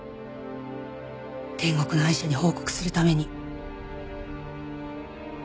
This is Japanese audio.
天国のアイシャに報告するために。